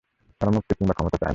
তারা মুক্তি কিংবা ক্ষমতা চায় না!